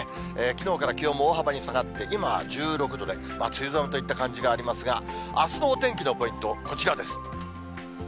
きのうから気温も大幅に下がって、今は１６度で、梅雨寒といった感じがありますが、あすのお天気のポイント、こちらです。